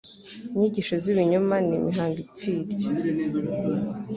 Inyigisho z'ibinyoma n'imihango ipfirye,